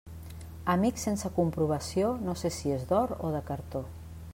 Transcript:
Amic sense comprovació, no sé si és d'or o de cartó.